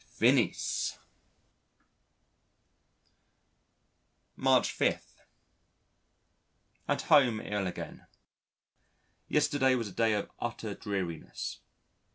Finis March 5. At home ill again. Yesterday was a day of utter dreariness.